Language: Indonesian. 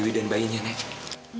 terus kamu mau lapor sama mama kamu